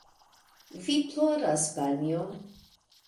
Vi ploras, panjo!